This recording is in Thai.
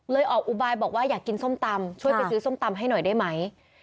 ออกอุบายบอกว่าอยากกินส้มตำช่วยไปซื้อส้มตำให้หน่อยได้ไหม